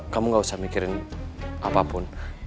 kamu gak usah mikirin apapun